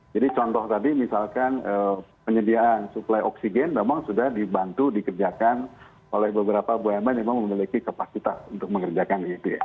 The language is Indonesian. jadi contoh tadi misalkan penyediaan suplai oksigen memang sudah dibantu dikerjakan oleh beberapa bumn yang memiliki kapasitas untuk mengerjakan